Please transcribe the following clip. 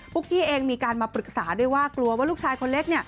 กี้เองมีการมาปรึกษาด้วยว่ากลัวว่าลูกชายคนเล็ก